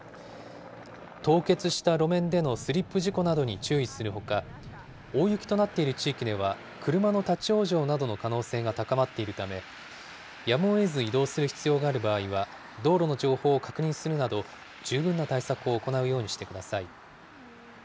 凍結した路面でのスリップ事故などに注意するほか、大雪となっている地域では、車の立往生などの可能性が高まっているため、やむを得ず移動する必要がある場合は、道路の情報を確認するなど、十分な対策を行うようにしてください。